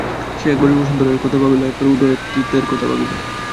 সে একবার বসন্ত রায়ের কথা ভাবিল, একবার উদয়াদিত্যের কথা ভাবিল।